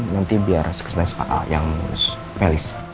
nanti biar sekretaris pak al yang urus pelis